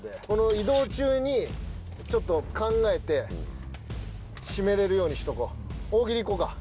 この移動中にちょっと考えてシメれるようにしとこう。